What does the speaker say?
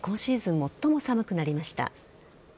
最も寒くなりました。